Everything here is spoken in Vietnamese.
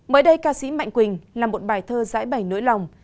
mới đây ca sĩ mạnh quỳnh là một bài thơ giải bày nỗi lòng